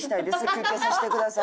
「休憩させてください」